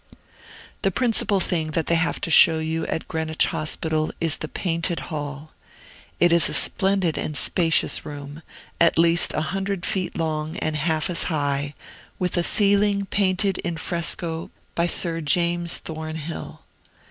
The principal thing that they have to show you, at Greenwich Hospital, is the Painted Hall. It is a splendid and spacious room, at least a hundred feet long and half as high, with a ceiling painted in fresco by Sir James Thornhill.